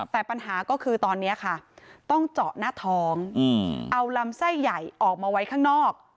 แต่ปัญหาก็คือตอนนี้ค่ะต้องเจาะหน้าท้องเอาลำไส้ใหญ่ออกมาไว้ข้างนอก